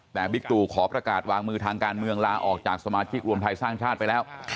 แต่บิ๊กตูขอประกาศวางมือทางการเมืองลาออกจากสมาชิกรวมไทยสร้างชาติไปแล้ว